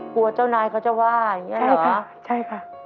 กลัวเจ้านายเขาจะว่าอย่างนี้เหรอคะใช่ค่ะใช่ค่ะ